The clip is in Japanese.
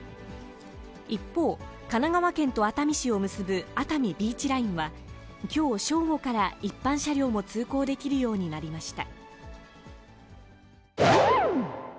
一方、神奈川県と熱海市を結ぶ熱海ビーチラインは、きょう正午から、一般車両も通行できるようになりました。